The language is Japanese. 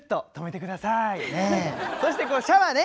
そしてシャワーね。